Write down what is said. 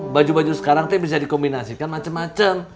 baju baju sekarang tuh bisa dikombinasikan macem macem